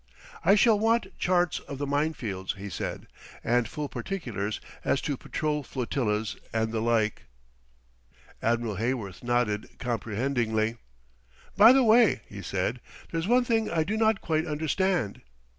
"I shall want charts of the minefields," he said, "and full particulars as to patrol flotillas and the like." Admiral Heyworth nodded comprehendingly. "By the way," he said, "there's one thing I do not quite understand."